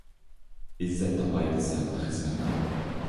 ئىززەت تاپاي دىسەڭ خىزمەت قىل.